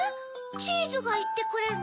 チーズがいってくれるの？